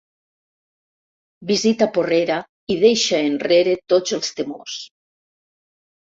Visita Porrera i deixa enrere tots els temors.